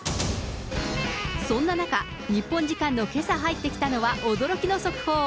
そんな中、日本時間のけさ入ってきたのは、驚きの速報。